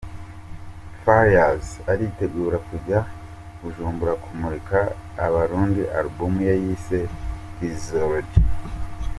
Farious aritegura kujya Bujumbura kumurikira abarundi Album ye yise 'Fizology'.